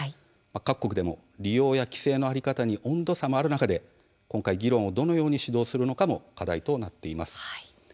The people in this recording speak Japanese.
各国でも利用や規制の在り方に温度差もある中で議論をどのように主導するのかも課題となっています。